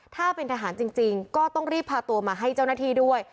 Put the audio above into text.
ถ้าเป็นทหารจริงก็ต้องรีบพาตัวมาให้เจ้าหน้าที่ด้วย